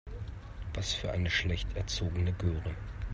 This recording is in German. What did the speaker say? Was für eine schlecht erzogene Göre.